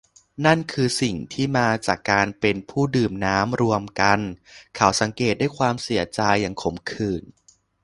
นั่นคือสิ่งที่มาจากการเป็นผู้ดื่มน้ำรวมกัน เขาสังเกตด้วยความเสียใจอย่างขมขื่น